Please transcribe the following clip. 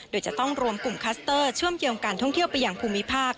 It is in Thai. โดยจะต้องรวมกลุ่มคัสเตอร์เชื่อมโยงการท่องเที่ยวไปอย่างภูมิภาค